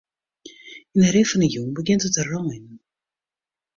Yn 'e rin fan 'e jûn begjint it te reinen.